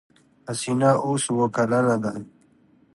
حسينه اوس اوه کلنه ده.